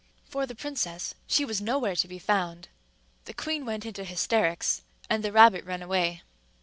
For the princess, she was nowhere to be found. The queen went into hysterics; and the rabbit ran away.